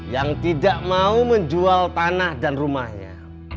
yang tidak mau menjual tanah dan rumahnya